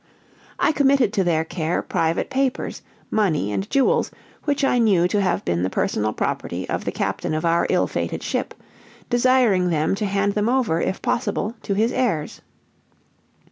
I committed to their care private papers, money, and jewels which I knew to have been the personal property of the captain of our ill fated ship, desiring them to hand them over, if possible, to his heirs.